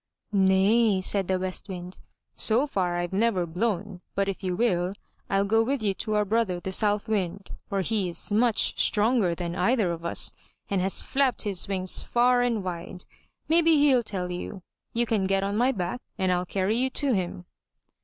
"Nay," said the West Wind, "so far I've never blown, but if you will, rU go with you to our brother the South Wind, for he is much stronger than either of us and has flapped his wings far and wide. Maybe he'll tell you. You can get on my back and ril carry you to him.